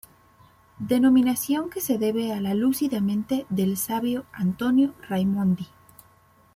Denominación que se debe a la lúcida mente del Sabio Antonio Raimondi.